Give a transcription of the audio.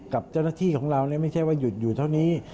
กับเจ้าหน้าที่ของเราไม่ใช่ว่าหยุดอยู่เท่านี้